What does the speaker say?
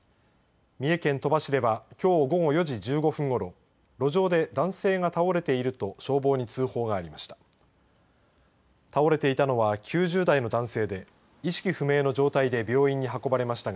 三重県鳥羽市ではきょう午後４時１５分ごろ路上で男性が倒れていると消防に通報がありました。